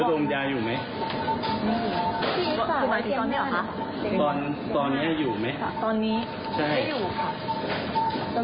ตอนนี้อยู่ไหม